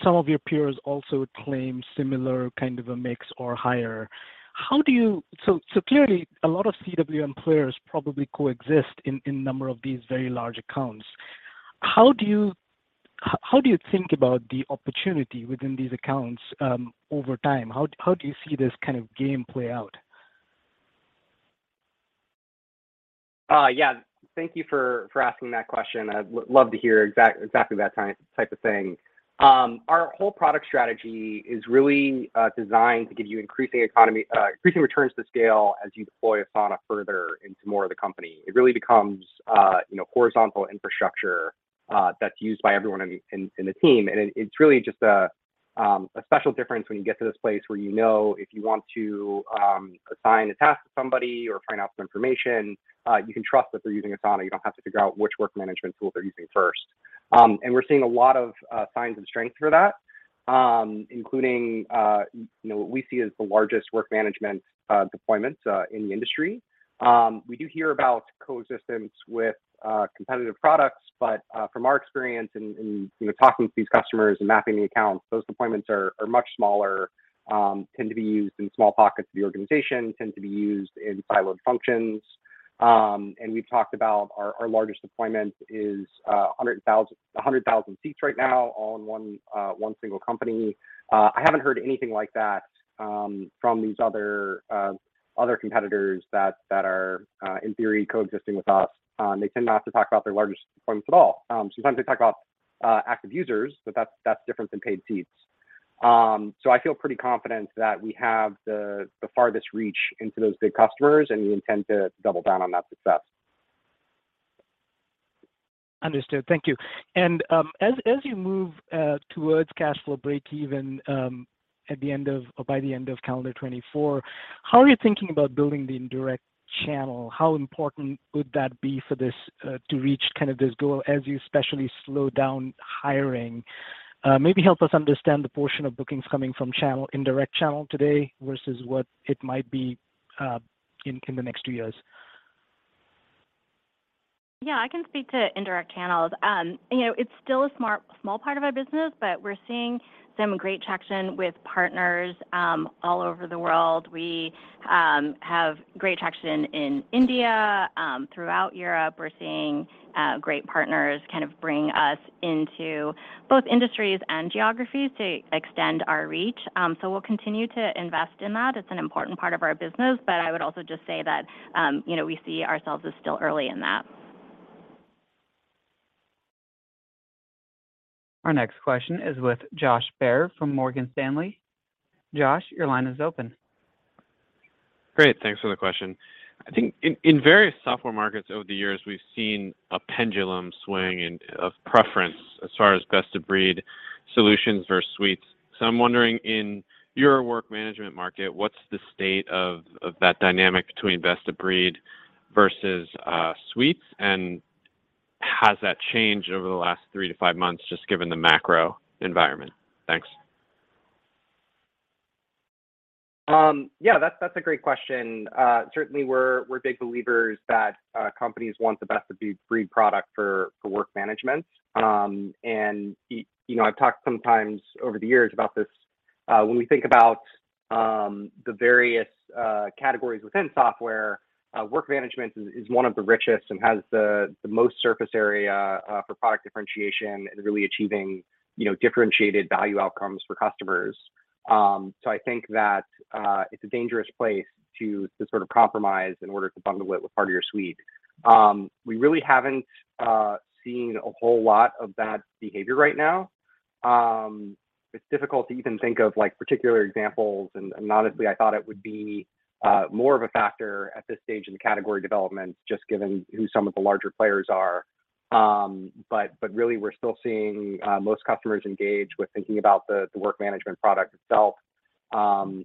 some of your peers also claim similar kind of a mix or higher. So clearly a lot of CWM players probably coexist in a number of these very large accounts. How do you think about the opportunity within these accounts over time? How do you see this kind of game play out? Yeah. Thank you for asking that question. I would love to hear exactly that type of thing. Our whole product strategy is really designed to give you increasing returns to scale as you deploy Asana further into more of the company. It really becomes, you know, horizontal infrastructure that's used by everyone in the team. It's really just a special difference when you get to this place where you know if you want to assign a task to somebody or find out some information, you can trust that they're using Asana. You don't have to figure out which work management tool they're using first. We're seeing a lot of signs of strength for that, including you know, what we see as the largest work management deployments in the industry. We do hear about coexistence with competitive products, but from our experience in you know, talking to these customers and mapping the accounts, those deployments are much smaller, tend to be used in small pockets of the organization, tend to be used in siloed functions. We've talked about our largest deployment is 100,000 seats right now all in one single company. I haven't heard anything like that from these other competitors that are in theory, coexisting with us. They tend not to talk about their largest deployments at all. Sometimes they talk about active users, but that's different than paid seats. I feel pretty confident that we have the farthest reach into those big customers, and we intend to double down on that success. Understood. Thank you. As you move towards cash flow breakeven, at the end of or by the end of calendar 2024, how are you thinking about building the indirect channel? How important would that be for this to reach kind of this goal as you especially slow down hiring? Maybe help us understand the portion of bookings coming from channel, indirect channel today versus what it might be in the next two years. Yeah. I can speak to indirect channels. You know, it's still a small part of our business, but we're seeing some great traction with partners all over the world. We have great traction in India. Throughout Europe, we're seeing great partners kind of bring us into both industries and geographies to extend our reach. We'll continue to invest in that. It's an important part of our business. I would also just say that, you know, we see ourselves as still early in that. Our next question is with Josh Baer from Morgan Stanley. Josh, your line is open. Great. Thanks for the question. I think in various software markets over the years, we've seen a pendulum swing in of preference as far as best-of-breed solutions versus suites. I'm wondering in your work management market, what's the state of that dynamic between best of breed versus suites? Has that changed over the last three-five months just given the macro environment? Thanks. Yeah, that's a great question. Certainly we're big believers that companies want the best-of-breed product for work management. You know, I've talked sometimes over the years about this. When we think about the various categories within software, work management is one of the richest and has the most surface area for product differentiation and really achieving, you know, differentiated value outcomes for customers. I think that it's a dangerous place to sort of compromise in order to bundle it with part of your suite. We really haven't seen a whole lot of that behavior right now. It's difficult to even think of like, particular examples, and honestly, I thought it would be more of a factor at this stage in the category development, just given who some of the larger players are. Really we're still seeing most customers engage with thinking about the work management product itself.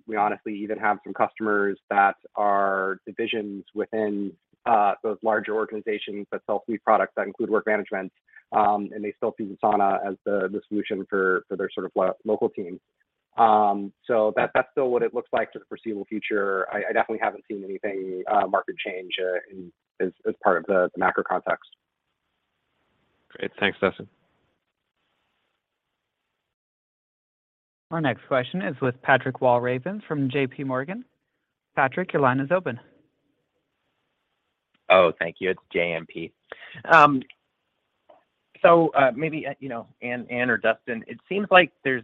We honestly even have some customers that are divisions within those larger organizations that sell suite products that include work management. They still see Asana as the solution for their sort of local team. That's still what it looks like for the foreseeable future. I definitely haven't seen any market change as part of the macro context. Great. Thanks, Dustin. Our next question is with Patrick Walravens from JMP Securities. Patrick, your line is open. Oh, thank you. It's JMP. Maybe you know, Anne or Dustin, it seems like there's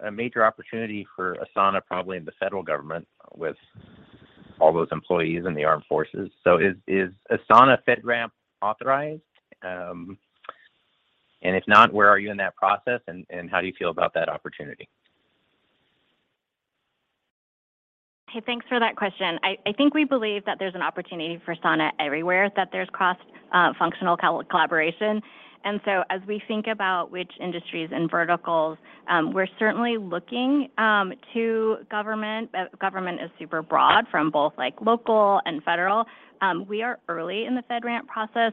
a major opportunity for Asana probably in the federal government with all those employees in the armed forces. Is Asana FedRAMP authorized? And if not, where are you in that process, and how do you feel about that opportunity? Hey, thanks for that question. I think we believe that there's an opportunity for Asana everywhere, that there's cross-functional collaboration. As we think about which industries and verticals, we're certainly looking to government. Government is super broad from both like local and federal. We are early in the FedRAMP process.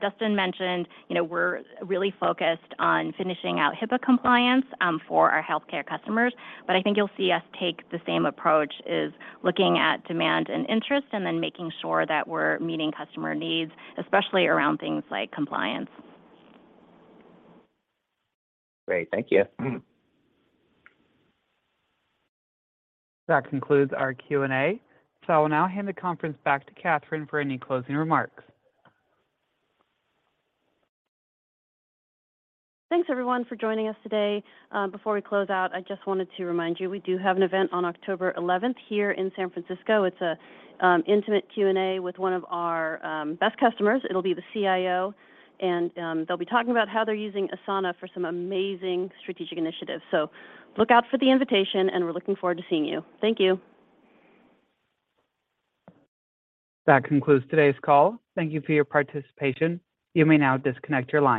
Dustin mentioned, you know, we're really focused on finishing out HIPAA compliance for our healthcare customers. I think you'll see us take the same approach as looking at demand and interest, and then making sure that we're meeting customer needs, especially around things like compliance. Great. Thank you. That concludes our Q&A. I'll now hand the conference back to Catherine for any closing remarks. Thanks, everyone, for joining us today. Before we close out, I just wanted to remind you, we do have an event on October eleventh here in San Francisco. It's a intimate Q&A with one of our best customers. It'll be the CIO, and they'll be talking about how they're using Asana for some amazing strategic initiatives. Look out for the invitation, and we're looking forward to seeing you. Thank you. That concludes today's call. Thank you for your participation. You may now disconnect your line.